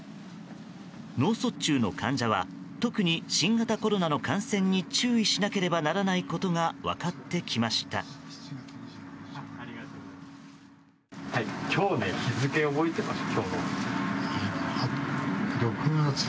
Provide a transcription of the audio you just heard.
脳卒中の患者は特に新型コロナの感染に注意しなければならないことが分かってきました。